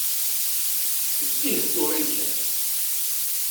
D tiheddurin kan.